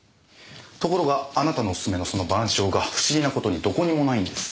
ところがあなたのお薦めのその『晩鐘』が不思議なことにどこにもないんです。